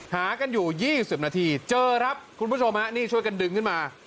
หากันอยู่๒๐นาทีเจอครับคุณผู้ชมฮะนี่ช่วยกันดึงขึ้นมา